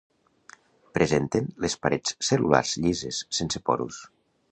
Presenten les parets cel·lulars llises, sense porus.